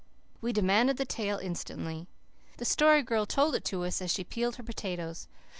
We demanded the tale instantly. The Story Girl told it to us as she peeled her potatoes.